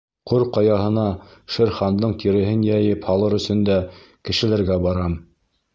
— Ҡор Ҡаяһына Шер Хандың тиреһен йәйеп һалыр өсөн дә кешеләргә барам.